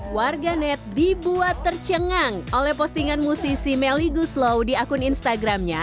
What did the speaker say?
warga net dibuat tercengang oleh postingan musisi melly guslow di akun instagramnya